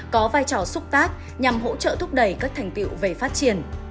có vai trò xúc tác nhằm hỗ trợ thúc đẩy các thành tiệu về phát triển